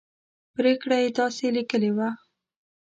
پرېکړه یې داسې لیکلې وه.